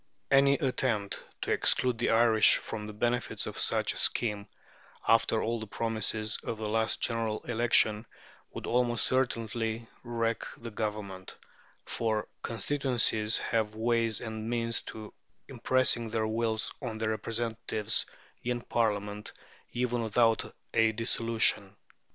Any attempt to exclude the Irish from the benefits of such a scheme, after all the promises of the last general election, would almost certainly wreck the government; for constituencies have ways and means of impressing their wills on their representatives in Parliament even without a dissolution.